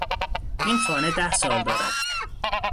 این خانه ده سال دارد.